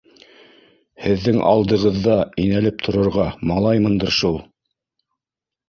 — Һеҙҙең алдығыҙҙа инәлеп торорға малаймындыр шул!